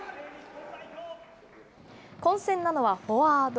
混戦なのはフォワード。